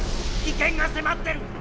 危険が迫ってる！